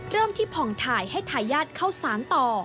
เริ่มที่ผ่องถ่ายให้ทายาทเข้าสารต่อ